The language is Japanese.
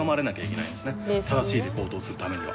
正しいリポートをするためには。